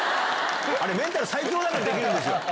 あれ、メンタル最強だからできるんですよ。